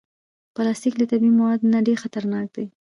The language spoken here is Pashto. پلاستيک له طبعي موادو نه ډېر خطرناک دی.